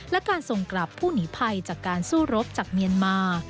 และการส่งกลับผู้หนีภัยจากการสู้รบจากเมียนมา